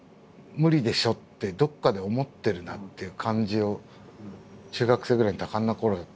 「無理でしょ」ってどっかで思ってるなっていう感じを中学生ぐらいの多感なころだと受けるので。